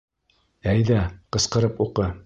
Әйҙә, ҡысҡырып уҡы!